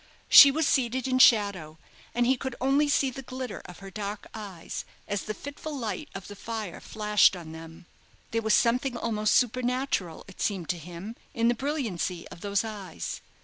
She was seated in shadow, and he could only see the glitter of her dark eyes as the fitful light of the fire flashed on them. There was something almost supernatural, it seemed to him, in the brilliancy of those eyes.